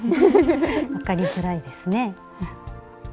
分かりづらいですね。